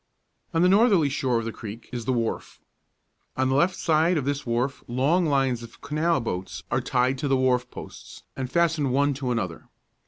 On the northerly shore of the creek is the wharf. On the left side of this wharf long lines of canal boats are tied to the wharf posts, and fastened one to another.